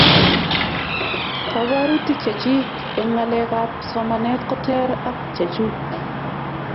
kabwarutik chechik eng' ngalek ab somanet ko ter ak chechuk